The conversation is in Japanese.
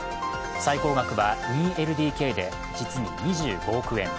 最高額は２ＬＤＫで実に２５億円。